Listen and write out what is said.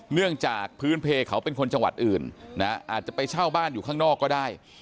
เนื่องจากพื้นเพลเขาเป็นคนจังหวัดอื่นนะอาจจะไปเช่าบ้านอยู่ข้างนอกก็ได้